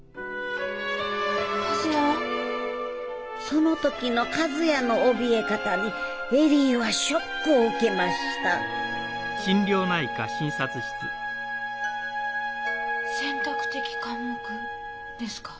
その時の和也のおびえ方に恵里はショックを受けました選択的かん黙ですか？